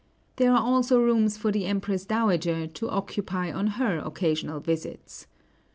There are also rooms for the Empress dowager to occupy on her occasional visits.